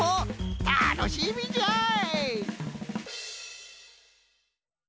たのしみじゃい！